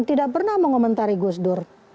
tidak pernah mengomentari gus dur